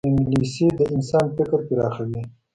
انګلیسي د انسان فکر پراخوي